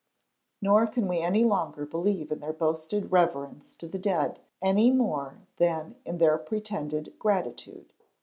Nor can we any longer believe in their boasted reverence towards the dead any more than in their pretended gratitude.